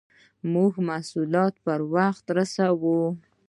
موږ محصولات پر وخت رسوو.